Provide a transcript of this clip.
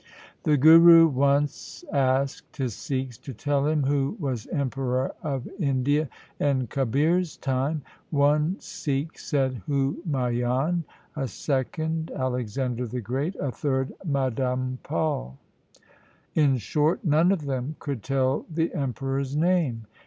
The Guru once asked his Sikhs to tell him who was emperor of India in Kabir's time. One Sikh said Humayun ; a second, Alexander the Great ; a third, Madanpal. In short none of them could tell the emperor's name.